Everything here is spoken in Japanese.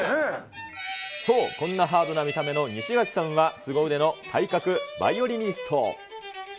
そう、こんなハードな見た目の西垣さんはすご腕の体格バイオリニスト。